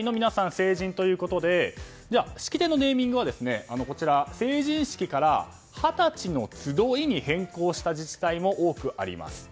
成人ということで式典のネーミングは成人式から、２０歳のつどいに変更した自治体も多くあります。